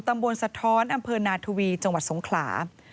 ตำบลสะท้อนอนาทวีจสงขลา